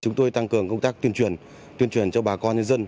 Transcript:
chúng tôi tăng cường công tác tuyên truyền tuyên truyền cho bà con nhân dân